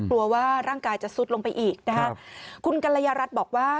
กลัวว่าร่างกายจะซุดลงไปอีกนะคะคุณกัลยารัฐบอกว่า